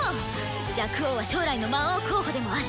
若王は将来の魔王候補でもある。